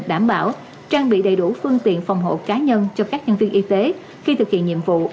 đảm bảo trang bị đầy đủ phương tiện phòng hộ cá nhân cho các nhân viên y tế khi thực hiện nhiệm vụ